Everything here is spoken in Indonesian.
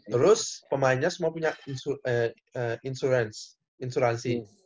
terus pemainnya semua punya insuransi insuransi